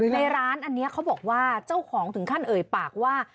ในร้านอันนี้เขาบอกว่าเจ้าของถึงขั้นเอ่ยปากว่า